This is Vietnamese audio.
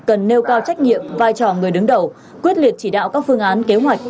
cần nêu cao trách nhiệm vai trò người đứng đầu quyết liệt chỉ đạo các phương án kế hoạch